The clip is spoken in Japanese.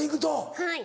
はい。